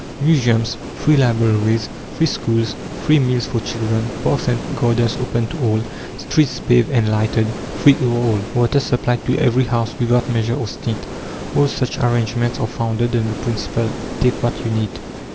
Museums, free libraries, free schools, free meals for children; parks and gardens open to all; streets paved and lighted, free to all; water supplied to every house without measure or stint all such arrangements are founded on the principle: "Take what you need."